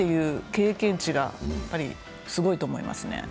経験値がやはりすごいと思います。